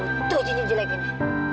jatuh ciplah gini